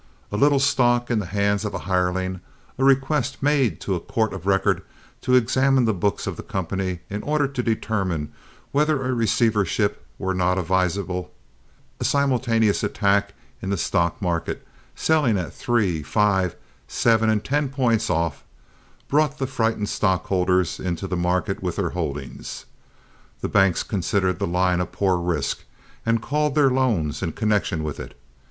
A little stock in the hands of a hireling, a request made to a court of record to examine the books of the company in order to determine whether a receivership were not advisable, a simultaneous attack in the stock market, selling at three, five, seven, and ten points off, brought the frightened stockholders into the market with their holdings. The banks considered the line a poor risk, and called their loans in connection with it.